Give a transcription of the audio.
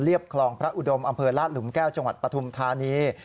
คลองพระอุดมอำเภอลาดหลุมแก้วจังหวัดปฐุมธานี